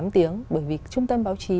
một mươi tám tiếng bởi vì trung tâm báo chí